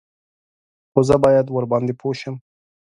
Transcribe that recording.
_خو زه بايد ورباندې پوه شم.